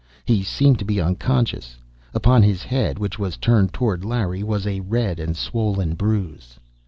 He seemed to be unconscious; upon his head, which was turned toward Larry, was a red and swollen bruise.